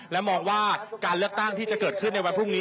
และมองว่าการเลือกตั้งที่จะเกิดขึ้นในวันพรุ่งนี้